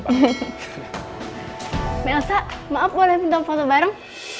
mbak elsa maaf boleh minta foto bareng